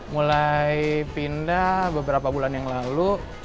mulai pindah beberapa bulan yang lalu